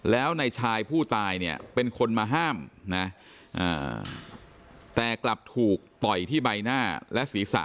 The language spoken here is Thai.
แล้วในชายผู้ตายเนี่ยเป็นคนมาห้ามนะแต่กลับถูกต่อยที่ใบหน้าและศีรษะ